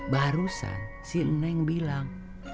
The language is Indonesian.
barusan si nenek bilang